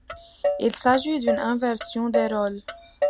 Il s'agit d'une inversion des rôles.